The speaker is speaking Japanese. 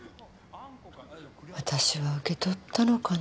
私は受け取ったのかな？